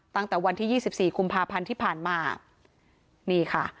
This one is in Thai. ตั้งแต่วันที่ยี่สิบสี่กุมภาพันธ์ที่ผ่านมานี่ค่ะ